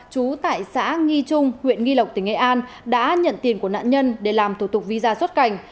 chú tại xã nghi trung huyện nghi lộc tỉnh nghệ an đã nhận tiền của nạn nhân để làm thủ tục visa xuất cảnh